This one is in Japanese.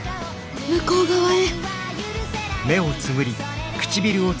向こう側へ。